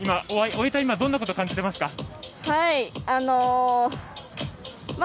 終えた今どんなことを感じてますか。